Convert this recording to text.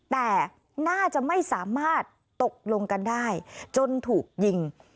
แต่น่าจะไม่สามารถตกลงกันได้จนถูกยิง